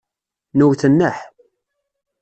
Nwet nneḥ.